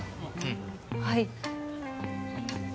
はい。